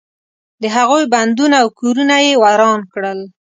د هغوی بندونه او کورونه یې وران کړل.